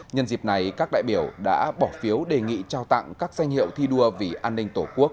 nhân dịp này các đại biểu đã bỏ phiếu đề nghị trao tặng các danh hiệu thi đua vì an ninh tổ quốc